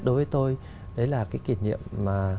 đối với tôi đấy là cái kỉ niệm mà